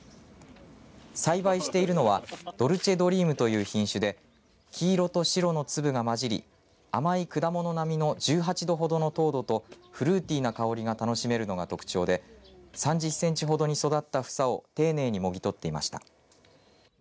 栽培しているのはドルチェドリームという品種で黄色と白の粒がまじり甘い果物並みの１８度ほどの糖度とフルーティーな香りが楽しめるのが特徴で３０センチほどに育った房を丁寧にもぎとっていました。